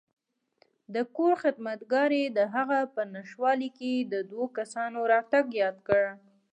د کور خدمتګار یې دهغه په نشتوالي کې د دوو کسانو راتګ یاد کړ.